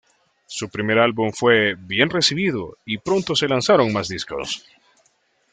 Su primer álbum fue bien recibido y pronto se lanzaron más discos.